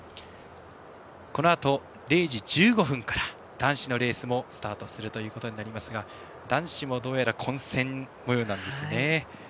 このあと０時１５分から男子のレースもスタートするということになりますが男子もどうやら混戦もようなんですね。